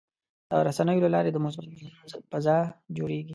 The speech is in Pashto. د رسنیو له لارې د مثبت بدلون فضا جوړېږي.